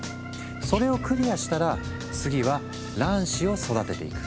それをクリアしたら次は卵子を育てていく。